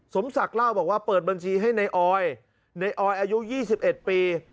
สมศักดิ์เล่าบอกว่าเปิดบัญชีให้ในออยในออยอายุ๒๑ปี